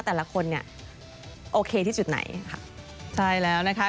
แต่ละคนเนี่ยโอเคที่จุดไหน